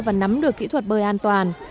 và nắm được kỹ thuật bơi an toàn